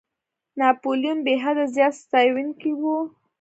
ناپولیون بېحده زیات ستایونکی وو.